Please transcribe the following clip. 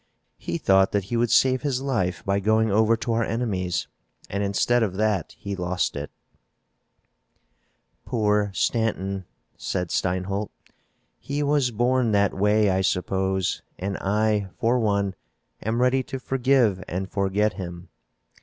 "He thought that he would save his life by going over to our enemies, and, instead of that, he lost it." "Poor Stanton," said Steinholt. "He was born that way, I suppose, and I, for one, am ready to forgive and forget him.